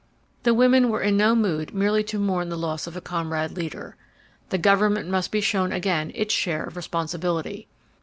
The women were in no mood merely to mourn the loss of a comrade leader. The government must be shown again its share of responsibility.